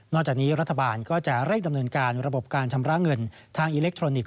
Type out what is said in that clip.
จากนี้รัฐบาลก็จะเร่งดำเนินการระบบการชำระเงินทางอิเล็กทรอนิกส